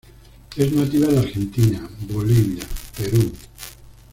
Es nativa de Argentina, Bolivia, Perú.